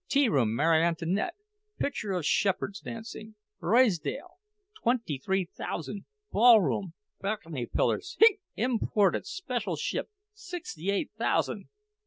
Tea room Maryanntnet—picture of shepherds dancing—Ruysdael—twenty three thousan'! Ballroom—balc'ny pillars—hic—imported—special ship—sixty eight thousan'!